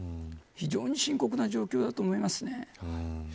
非常に深刻な状況だと思いますね。